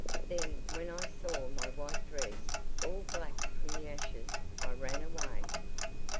"Then when I saw my white dress, all black from the ashes, I ran away!"